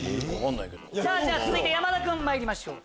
続いて山田君まいりましょう。